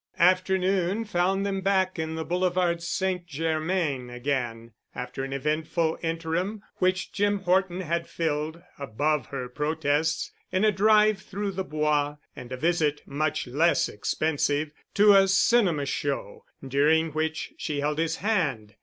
Afternoon found them back in the Boulevard St. Germain again, after an eventful interim which Jim Horton had filled, above her protests, in a drive through the Bois and a visit, much less expensive, to a cinema show, during which she held his hand.